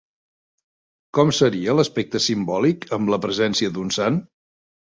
Com seria l'aspecte simbòlic amb la presència d'un sant?